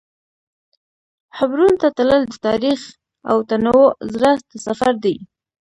حبرون ته تلل د تاریخ او تنوع زړه ته سفر دی.